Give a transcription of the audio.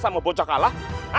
bisa membocah kalah